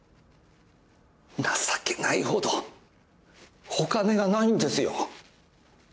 情けないほどお金がないんですよ。